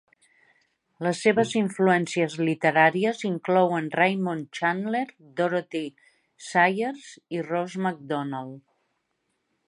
Les seves influències literàries inclouen Raymond Chandler, Dorothy L. Sayers i Ross Macdonald.